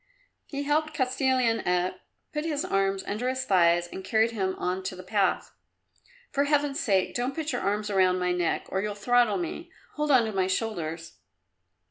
He helped Kostilin up, put his arms under his thighs and carried him on to the path. "For heaven's sake don't put your arms round my neck or you'll throttle me. Hold on to my shoulders."